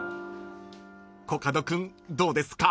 ［コカド君どうですか？］